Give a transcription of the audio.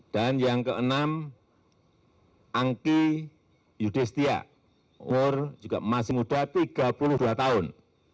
dan yang keenam angki yudhistia umur juga masih muda tiga puluh dua tahun